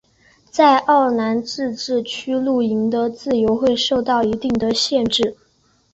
在奥兰自治区露营的自由会受到一定的限制。